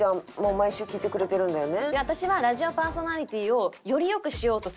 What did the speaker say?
毎週聴いてくれてるんだよね？